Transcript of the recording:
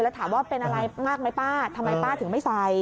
แล้วถามว่าเป็นอะไรมากไหมป้าทำไมป้าถึงไม่ใส่